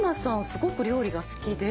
すごく料理が好きで。